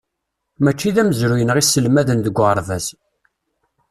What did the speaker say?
Mačči d amezruy-nneɣ i sselmaden deg uɣerbaz.